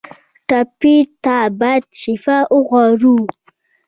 ټپي ته باید شفا وغواړو.